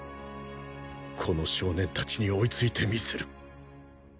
この少年達に追いついてみせる！